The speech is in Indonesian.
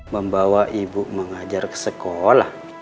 membawa ibu mengajar ke sekolah